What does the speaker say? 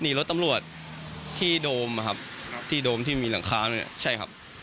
หนีรถนำรวจที่โดมที่โดมที่มีหลังคาใช่ครับ